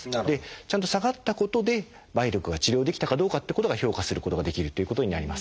ちゃんと下がったことで梅毒が治療できたかどうかってことが評価することができるということになります。